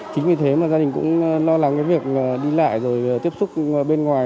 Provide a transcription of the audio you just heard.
chính vì thế mà gia đình cũng lo lắng cái việc đi lại rồi tiếp xúc bên ngoài